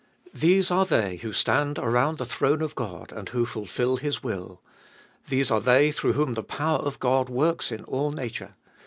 These are they who stand around the throne of God, and who fulfil His will. These are they through whom the power of God works in all nature.